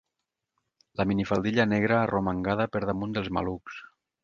La minifaldilla negra arromangada per damunt dels malucs.